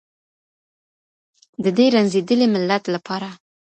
د دې رنځېدلي ملت لپاره.